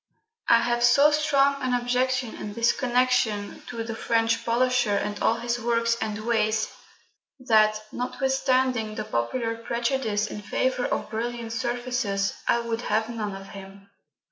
I have so strong an objection in this connection to the French polisher and all his works and ways, that, notwithstanding the popular prejudice in favour of brilliant surfaces, I would have none of him.